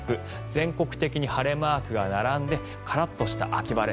全国的に晴れマークが並んでカラッとした秋晴れ。